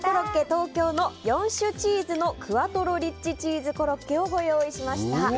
東京の４種チーズのクアトロリッチチーズコロッケをご用意しました。